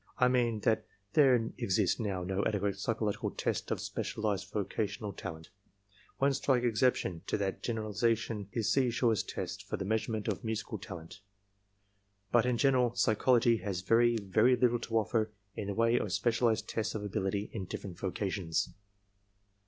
I mean that there exist now no adequate psychological tests of special ized vocational talent. One striking exception to that general ization is Seashore's tests for the measurement of musical talent. But in general, psychology has very, very little to oflfer in the way of specialized tests of ability in different vocations.